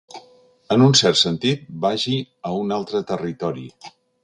En un cert sentit, vagi a un altre territori.